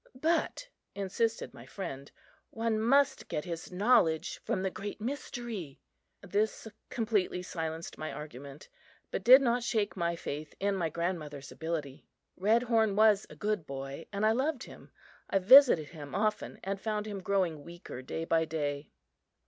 "But," insisted my friend, "one must get his knowledge from the Great Mystery!" This completely silenced my argument, but did not shake my faith in my grandmother's ability. Redhorn was a good boy, and I loved him. I visited him often, and found him growing weaker day by day.